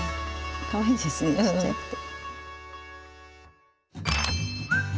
かわいいですねちっちゃくて。